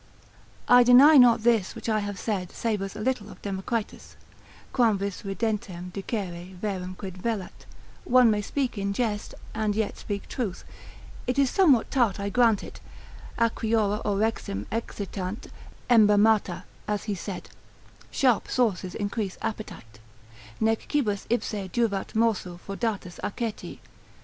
I deny not this which I have said savours a little of Democritus; Quamvis ridentem dicere verum quid velat; one may speak in jest, and yet speak truth. It is somewhat tart, I grant it; acriora orexim excitant embammata, as he said, sharp sauces increase appetite, nec cibus ipse juvat morsu fraudatus aceti.